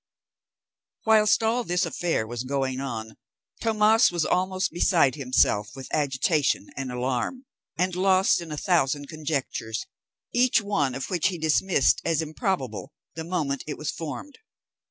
Whilst all this affair was going on, Tomas was almost beside himself with agitation and alarm, and lost in a thousand conjectures, every one of which he dismissed as improbable the moment it was formed.